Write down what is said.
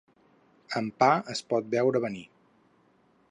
Amb pa es pot veure venir.